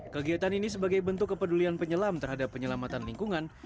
kegiatan ini sebagai bentuk kepedulian penyelam terhadap penyelamatan lingkungan